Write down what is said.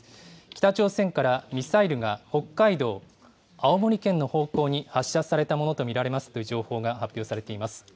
北朝鮮からミサイルが北海道、青森県の方向に発射されたものと見られますという情報が発表されています。